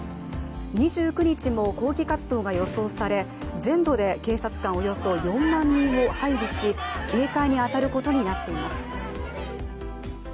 ２９日も抗議活動が予想され全土で警察官およそ４万人を配備し警戒に当たることになっています。